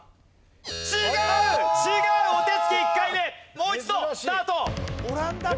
もう一度スタート。